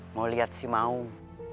mau lihat si maung